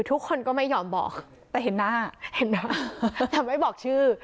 ทุกคนก็ไม่ยอมบอกแต่เห็นหน้าเห็นหน้าแต่ไม่บอกชื่อ